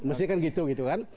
mestinya kan gitu kan